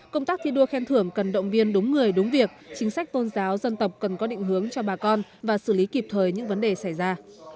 công tác thi đua khen thưởng cần động viên đúng người đúng việc chính sách tôn giáo dân tộc cần có định hướng cho bà con và xử lý kịp thời những vấn đề xảy ra